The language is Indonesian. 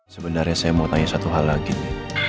sebenarnya saya mau tanya satu hal lagi nih